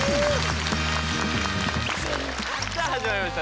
さあ始まりました